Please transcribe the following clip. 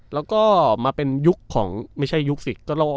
แล้วก็มาเป็นยุคของไม่ใช่ยุคสิกโล